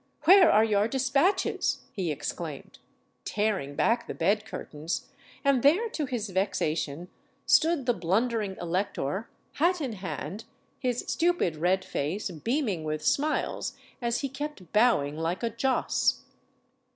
Where are your despatches?" he exclaimed, tearing back the bed curtains; and there, to his vexation, stood the blundering elector, hat in hand, his stupid red face beaming with smiles as he kept bowing like a joss.